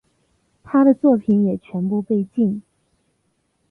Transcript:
他的作品也全部被禁。